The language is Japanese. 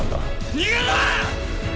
逃げろ！